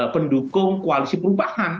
pendukung koalisi perubahan